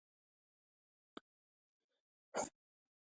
نوښت انګېزه په کې وژل شوې وه